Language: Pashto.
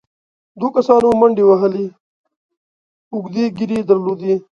دوو کسانو منډې وهلې، اوږدې ږېرې يې درلودې،